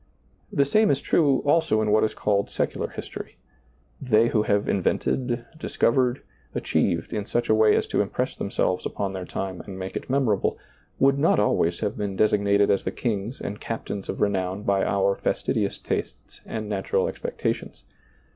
The same is true also in what is called secular history. They who have invented, discovered, achieved, in such a way as to impress them selves upon their time and make it memorable, would not always have been designated as the kings and captains of renown by our fastidious tastes and natural expectations.